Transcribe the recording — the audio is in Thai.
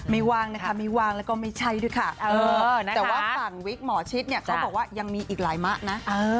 ว่างนะคะไม่ว่างแล้วก็ไม่ใช่ด้วยค่ะแต่ว่าฝั่งวิกหมอชิดเนี่ยเขาบอกว่ายังมีอีกหลายมะนะ